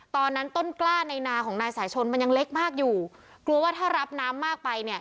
ต้นกล้าในนาของนายสายชนมันยังเล็กมากอยู่กลัวว่าถ้ารับน้ำมากไปเนี่ย